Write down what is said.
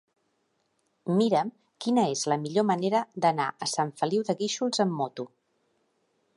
Mira'm quina és la millor manera d'anar a Sant Feliu de Guíxols amb moto.